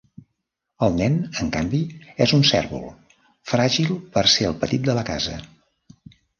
El nen, en canvi, és un cérvol, fràgil per ser el petit de la casa.